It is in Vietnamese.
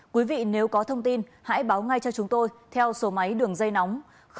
quý vị nếu có thông tin hãy báo ngay cho chúng tôi theo số máy đường dây nóng